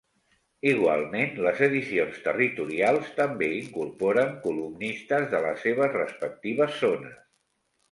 Igualment, les edicions territorials també incorporen columnistes de les seves respectives zones.